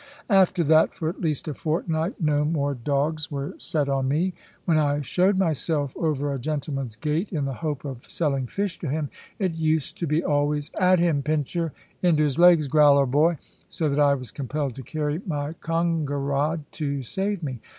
After that, for at least a fortnight, no more dogs were set at me. When I showed myself over a gentleman's gate, in the hope of selling fish to him, it used to be always, "At him, Pincher!" "Into his legs, Growler, boy!" so that I was compelled to carry my conger rod to save me.